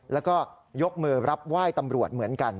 แล้วก็ยกมือรับไหว้ตำรวจเหมือนกัน